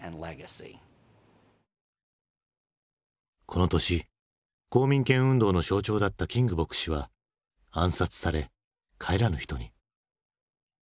この年公民権運動の象徴だったキング牧師は暗殺され帰らぬ人に。